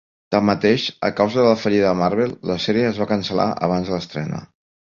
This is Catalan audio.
Tanmateix, a causa de la fallida de Marvel la sèrie es va cancel·lar abans de l'estrena.